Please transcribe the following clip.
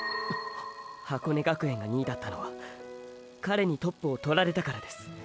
箱根学園が２位だったのは彼にトップを獲られたからです。